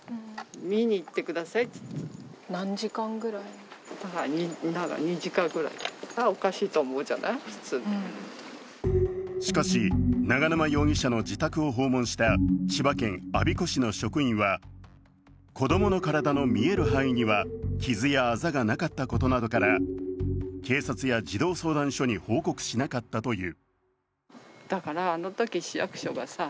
なぜなら、事件が起きる数か月前しかし、永沼容疑者の自宅を訪問した千葉県我孫子市の職員は、子供の体の見える範囲には傷やあざがなかったことなどから、警察や児童相談所に報告しなかったという。